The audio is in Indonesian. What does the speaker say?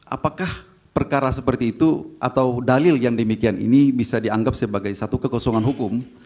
apakah perkara seperti itu atau dalil yang demikian ini bisa dianggap sebagai satu kekosongan hukum